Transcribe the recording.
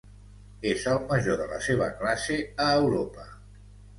És el major de la seva classe a Europa.